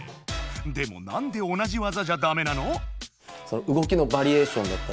でもなんで同じ技じゃダメなの？